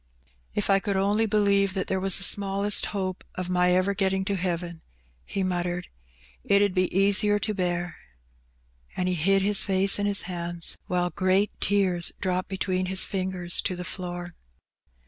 " If I could only believe that there was the smallest hope o' my ever getting to heaven,^' he muttered, "it 'ud be easier to bear/^ And he hid his face in his hands, while great tears dropped between his fingers to the floor.